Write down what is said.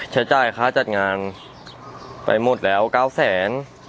ใช้จ่ายค่าจัดงานไปหมดแล้ว๙แสน